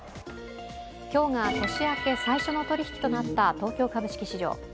今日が年明け最初の取り引きとなった東京株式市場。